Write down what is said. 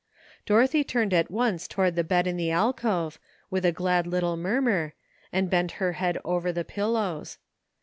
Dorothy turned at once toward the bed in the alcove, with a glad little murmur, and bent her head over the pillows.